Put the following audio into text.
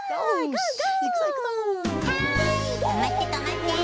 ・はいとまってとまって。